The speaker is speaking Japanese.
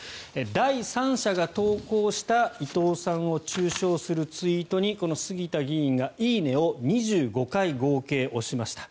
第三者が投稿した伊藤さんを中傷するツイートにこの杉田議員が「いいね」を合計２５回押しました。